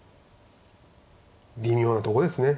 微妙なとこですね。